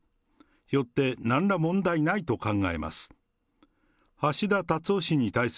よってなんら問題ないと考えます。